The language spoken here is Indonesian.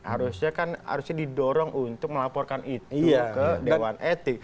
harusnya kan harusnya didorong untuk melaporkan itu ke dewan etik